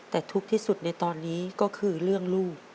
แต่ทุกข์ที่สุดในตอนนี้ก็คือเรื่องลูก